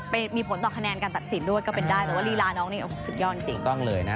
ไปมีผลต่อคะแนนการตัดสินด้วยก็เป็นได้แต่ว่าลีลาน้องนี่โอ้โหสุดยอดจริงถูกต้องเลยนะ